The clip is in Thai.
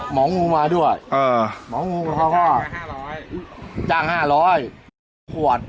หมองงูมาด้วยอ่าหมองงูเขาก็จ้างห้าร้อยจ้างห้าร้อยขวด